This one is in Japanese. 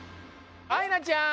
あいなちゃん！